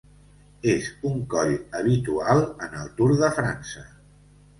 És un coll habitual en el Tour de França.